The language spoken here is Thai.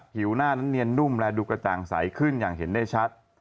ผิวหน้านั้นเนียนนุ่มและดูกระจ่างใสขึ้นอย่างเห็นได้ชัด